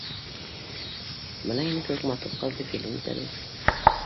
— Бына һинең кеүек матур ҡыҙҙы килен итәбеҙ